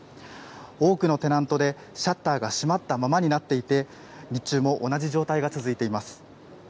多くのテナントでシャッターが閉まったままになっていて、日中も同じ状態が続いています。